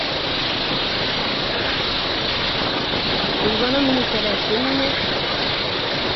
Гөлбаныу - минең кәләсем ине!